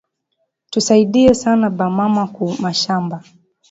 Tusaidie sana ba mama ku mashamba